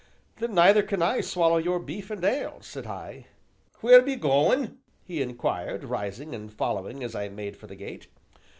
"Then, neither can I swallow your beef and ale," said I. "Wheer be goin'?" he inquired, rising, and following as I made for the gate.